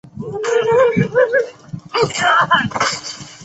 莱维尼亚克。